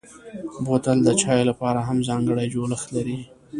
بوتل د چايو لپاره هم ځانګړی جوړښت لري.